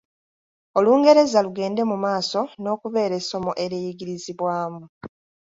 Olungereza lugende mu maaso n’okubeera essomo eriyigiririzibwamu.